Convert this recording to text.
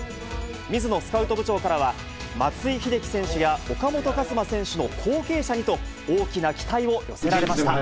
水野スカウト部長からは、松井秀喜選手や岡本和真選手の後継者にと、大きな期待を寄せられました。